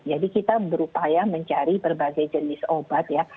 jadi kita berupaya mencari berbagai jenis obat ya